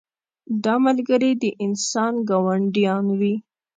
دا ملګري د انسان ګاونډیان وي.